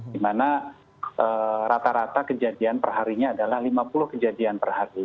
di mana rata rata kejadian perharinya adalah lima puluh kejadian per hari